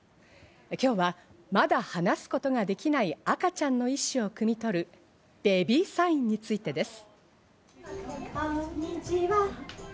今日はまだ話すことができない赤ちゃんの意思をくみ取るベビーサインについてです。